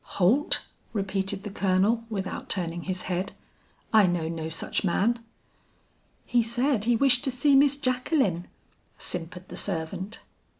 "'Holt?' repeated the Colonel without turning his head, 'I know no such man.' "'He said he wished to see Miss Jacqueline,' simpered the servant.